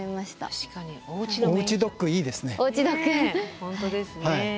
本当ですね。